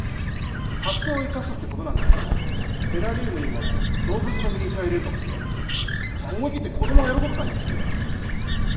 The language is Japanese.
発想を生かすってことなんだったらテラリウムにも動物のミニチュア入れるとかして思い切って子どもが喜ぶ感じにしてみたら？